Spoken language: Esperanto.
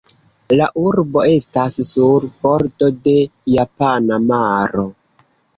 La urbo estas sur bordo de Japana maro.